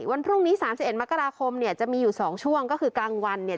วันพรุ่งนี้๓๑มกราคมเนี่ยจะมีอยู่๒ช่วงก็คือกลางวันเนี่ย